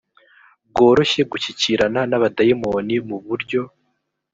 bworoshye gushyikirana n abadayimoni mu buryo